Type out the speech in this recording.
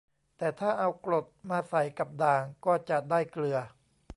แต่ถ้าเอากรดมาใส่กับด่าง ก็จะได้เกลือ